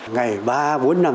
ngày ba bốn năm